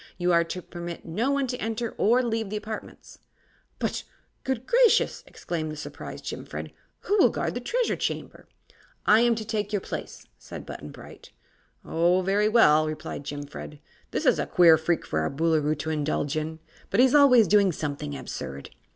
You are to permit no one to enter or to leave the apartments." "But good gracious!" exclaimed the surprised Jimfred; "who will guard the Treasure Chamber?" "I am to take your place," said Button Bright. "Oh, very well," replied Jimfred; "this is a queer freak for our Boolooroo to indulge in, but he is always doing something absurd.